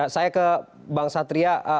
saya ke bang satria